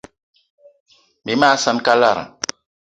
Bí mag saan kalara.